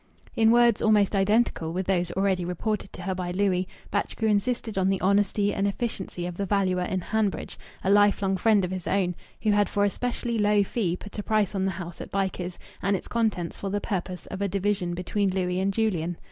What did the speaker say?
In words almost identical with those already reported to her by Louis, Batchgrew insisted on the honesty and efficiency of the valuer in Hanbridge, a lifelong friend of his own, who had for a specially low fee put a price on the house at Bycars and its contents for the purpose of a division between Louis and Julian.